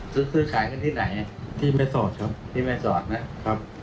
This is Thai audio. ซื้อซื้อขายกันที่ไหนที่แม่สอดครับที่แม่สอดนะครับ